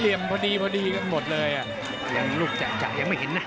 เหลี่ยมพอดีพอดีกันหมดเลยอ่ะยังลูกจ่ะจ่ะยังไม่เห็นนะ